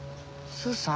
スーさん！？